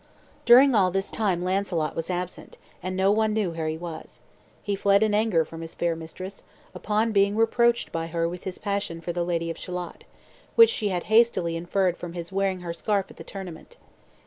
During all this time Launcelot was absent, and no one knew where he was. He fled in anger from his fair mistress, upon being reproached by her with his passion for the Lady of Shalott, which she had hastily inferred from his wearing her scarf at the tournament.